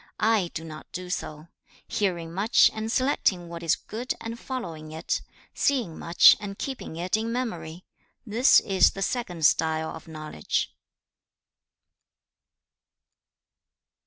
I do not do so. Hearing much and selecting what is good and following it; seeing much and keeping it in memory: this is the second style of knowledge.'